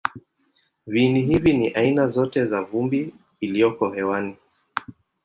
Viini hivi ni aina zote za vumbi iliyoko hewani.